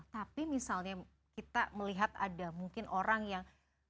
tapi misalnya kita melihat ada mungkin orang yang